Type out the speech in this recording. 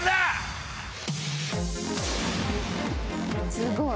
すごい！